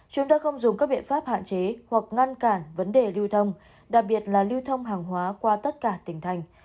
chúng đã không dùng các biện pháp hạn chế hoặc ngăn cản vấn đề lưu thông đặc biệt là lưu thông hàng hóa qua tất cả tỉnh thành